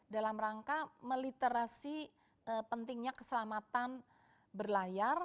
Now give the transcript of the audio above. dalam rangka meliterasi pentingnya keselamatan berlayar